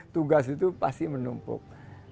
tugas itu pasti menumpuk